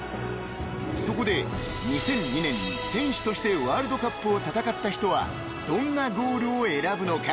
［そこで２００２年に選手としてワールドカップを戦った人はどんなゴールを選ぶのか］